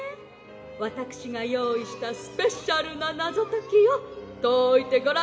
わたくしがよういしたスペシャルなナゾときをといてごらんなさい！」。